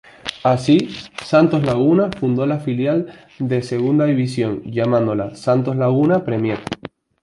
Así, Santos Laguna fundó la filial de Segunda División llamándola "Santos Laguna Premier".